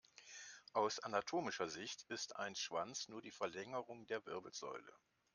Aus anatomischer Sicht ist ein Schwanz nur die Verlängerung der Wirbelsäule.